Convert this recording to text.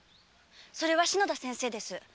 それは篠田先生です。